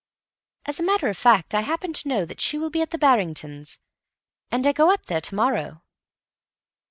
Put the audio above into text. "As a matter of fact, I happen to know that she will be at the Barringtons. And I go up there to morrow."